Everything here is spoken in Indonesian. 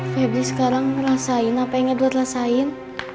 feblik sekarang ngerasain apa yang edward rasain